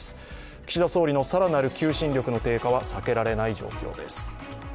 岸田総理の更なる求心力の低下は避けられない状況です。